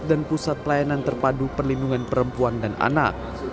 dan pusat pelayanan terpadu perlindungan perempuan dan anak